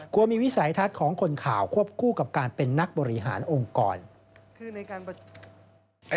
วิสัยทัศน์ของคนข่าวควบคู่กับการเป็นนักบริหารองค์กร